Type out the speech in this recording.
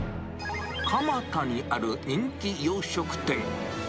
蒲田にある人気洋食店。